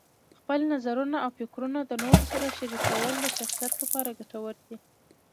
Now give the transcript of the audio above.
خپل نظرونه او فکرونه د نورو سره شریکول د شخصیت لپاره ګټور دي.